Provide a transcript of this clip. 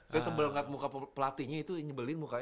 saya sebel ngekat muka pelatihnya itu nyebelin mukanya